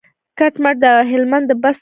کټ مټ د هلمند د بست کلا وه.